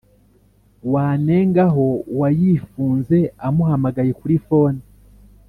wanengaho uwayifunze, amuhamagaye kuri phone